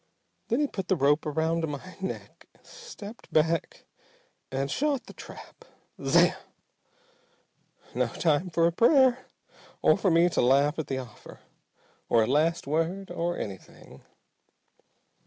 Then he put the rope around my neck, stepped back and shot the trap. Zamm! No time for a prayer or for me to laugh at the offer! or a last word or anything.